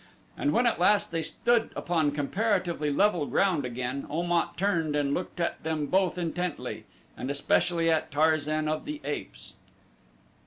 And when at last they stood upon comparatively level ground again Om at turned and looked at them both intently and especially at Tarzan of the Apes.